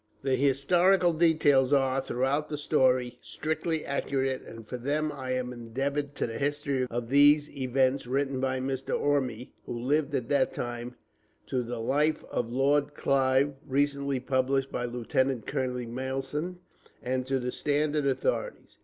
The historical details are, throughout the story, strictly accurate, and for them I am indebted to the history of these events written by Mr. Orme, who lived at that time, to the "Life of Lord Clive," recently published by Lieutenant Colonel Malleson, and to other standard authorities.